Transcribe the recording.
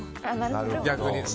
逆に。